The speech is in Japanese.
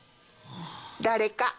誰か？